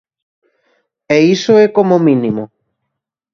E iso é como mínimo.